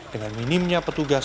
dengan minimnya petugas